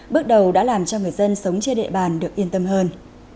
bước đầu đã làm cho người dân sống trên địa bàn được yên tâm hơn